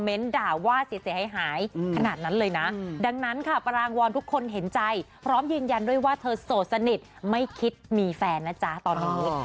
เพราะฉะนั้นค่ะปรางวอลทุกคนเห็นใจพร้อมยืนยันด้วยว่าเธอโสดสนิทไม่คิดมีแฟนนะจ๊ะตอนนี้